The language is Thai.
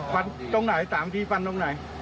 ตรงไหน๓ทีฟันตรงไหน